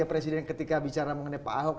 presiden ketika bicara mengenai pak ahok